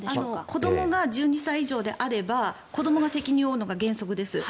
子どもが１２歳以上であれば子どもが責任を負うのが原則です